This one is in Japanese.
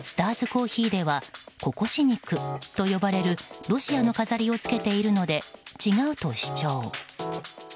コーヒーではココシニクと呼ばれるロシアの飾りをつけているので違うと主張。